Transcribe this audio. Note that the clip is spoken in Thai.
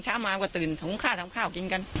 เช้ามามันก็ตื่นท้องข้าวท้องข้าวกินกัน